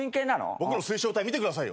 僕の水晶体見てくださいよ。